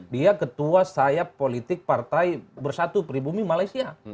dia ketua sayap politik partai bersatu pribumi malaysia